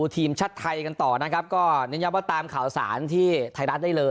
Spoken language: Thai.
ทีมชัดไทยกันต่อนะครับก็ยอมตามข่าวสารที่ที่ฮิคัยได้เลย